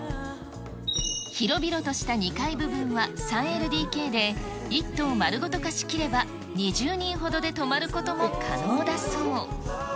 広々とした２階部分は３ＬＤＫで、１棟丸ごと貸し切れば、２０人ほどで泊まることも可能だそう。